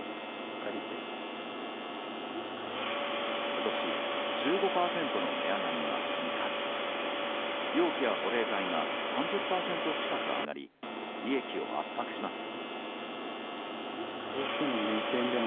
今年１５％の値上がりが２回容器や保冷剤が３０％近く上がり利益を圧迫します。